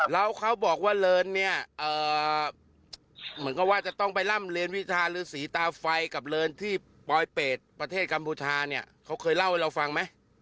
แล้วเขาบอกว่าเลินเนี่ยเหมือนกับว่าจะต้องไปร่ำเรียนวิชาหรือสีตาไฟกับเลินที่ปลอยเป็ดประเทศกัมพูชาเนี่ยเขาเคยเล่าให้เราฟังไหม